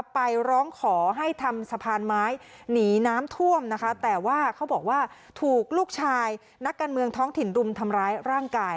ไปร้องขอให้ทำสะพานไม้หนีน้ำท่วมนะคะแต่ว่าเขาบอกว่าถูกลูกชายนักการเมืองท้องถิ่นรุมทำร้ายร่างกาย